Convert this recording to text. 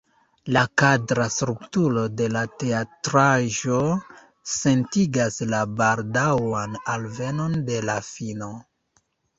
La kadra strukturo de la teatraĵo sentigas la baldaŭan alvenon de la fino.